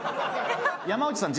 山内さん